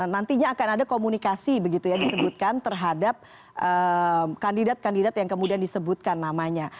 nantinya akan ada komunikasi terhadap kandidat kandidat yang kemudian disebutkan namanya